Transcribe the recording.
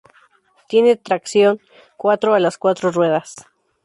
Tiene tracción "quattro" a las cuatro ruedas.